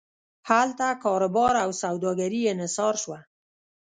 هلته کاروبار او سوداګري انحصار شوه.